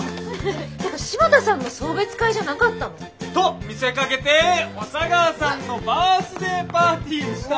ていうか柴田さんの送別会じゃなかったの？と見せかけて小佐川さんのバースデーパーティーでした！